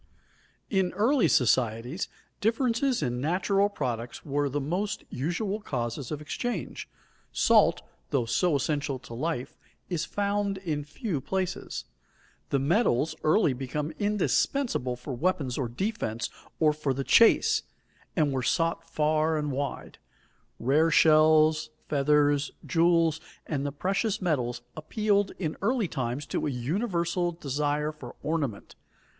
In early societies differences in natural products were the most usual causes of exchange. Salt, though so essential to life, is found in few places. The metals early became indispensable for weapons of defense or for the chase, and were sought far and wide. Rare shells, feathers, jewels, and the precious metals appealed in early times to a universal desire for ornament.